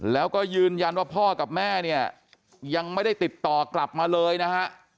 แล้วก็ยืนยันว่าพ่อกับแม่เนี่ยยังไม่ได้ติดต่อกลับมาเลยนะฮะ